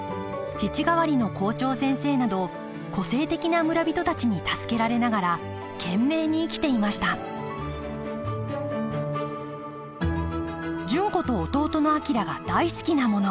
父代わりの校長先生など個性的な村人たちに助けられながら懸命に生きていました純子と弟の昭が大好きなもの。